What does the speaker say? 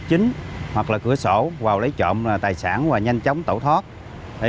chính hoặc là cửa sổ vào lấy trộm tài sản và nhanh chóng tẩu thoát